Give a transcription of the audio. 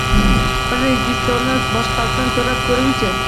Bir rejissyorni boshqasidan so‘rab ko‘ringchi.